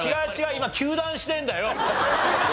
今糾弾してんだよ。